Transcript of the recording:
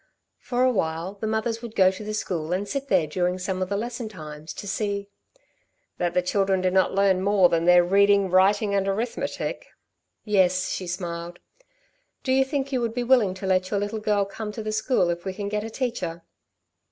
"For a while the mothers would go to the school and sit there during some of the lesson times to see " "That the children did not learn more than their reading, writing and arithmetic." "Yes," she smiled. "Do you think you would be willing to let your little girl come to the school if we can get a teacher?"